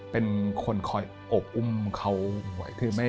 เป็นคนคอยอบอุ้มเขาไว้